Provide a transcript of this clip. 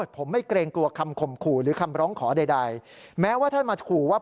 ผมไม่เกรงกลัวคำข่มขู่หรือคำร้องขอใดแม้ว่าท่านมาขู่ว่า